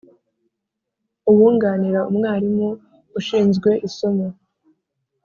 Uwunganira Umwarimu Ushinzwe isomo